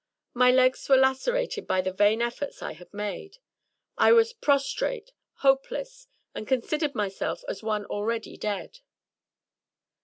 My legs were lacerated by the vain efforts I had made. I was prostrate — ^hopeless! — and considered myself as one already dead!